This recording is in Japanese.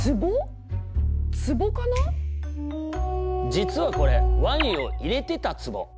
実はこれワインを入れてたツボ。